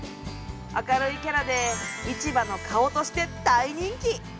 明るいキャラで市場の顔として大人気。